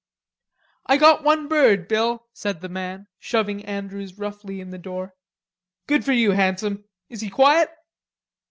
"I got one bird, Bill," said the man, shoving Andrews roughly in the door. "Good for you, Handsome; is he quiet?"